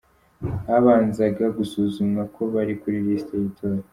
Habanzaga gusuzumwa ko bari kuri lisiti y’itora.